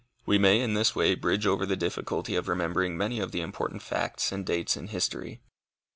We may in this way bridge over the difficulty of remembering many of the important facts and dates in history.